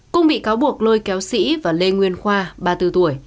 cùng bị cáo buộc lôi kéo sĩ và lê nguyên khoa ba mươi bốn tuổi